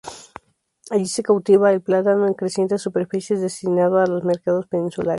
Allí se cultiva el plátano en crecientes superficies, destinado a los mercados peninsulares.